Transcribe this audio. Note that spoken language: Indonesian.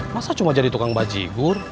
masa cuma jadi tukang bajigur